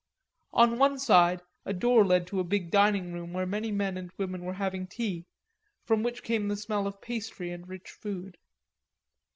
On one side a door led to a big dining room where many men and women were having tea, from which came a smell of pastry and rich food.